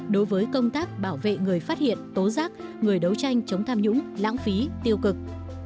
đối với công tác bảo vệ người phát hiện tố giác người đấu tranh chống tham nhũng lãng phí tiêu cực